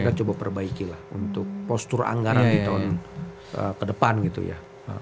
jadi kita harus membaikilah untuk postur anggaran di tahun ke depan gitu ya